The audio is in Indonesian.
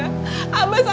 udah terserah sama dia juga